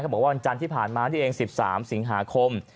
บอกว่าวันจันทร์ที่ผ่านมานี่เอง๑๓สิงหาคม